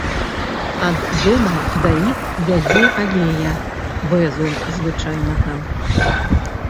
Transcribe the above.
Ад дома да іх вядзе алея бэзу звычайнага.